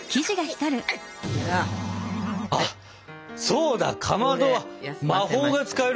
あっそうだかまどは魔法が使えるんだ！